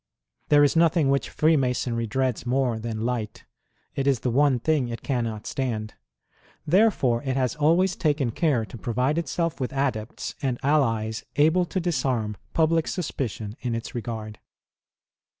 There is nothing which Freemasonry dreads more than light. It is the one thing it cannot stand. Therefore, it has always taken care to provide itself with adepts and allies able to disarm public suspicion in its regard.